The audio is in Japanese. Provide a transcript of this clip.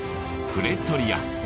プレトリア